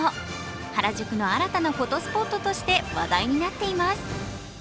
原宿の新たなフォトスポットとして話題になっています。